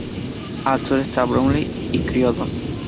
Al sur están Bromley y Croydon.